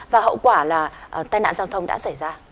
và hậu quả là tai nạn giao thông đã xảy ra